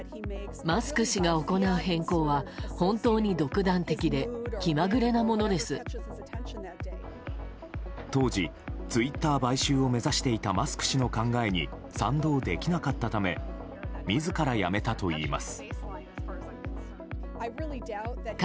当時ツイッター買収を目指していたマスク氏の考えに賛同できなかったため自ら辞めたといいます。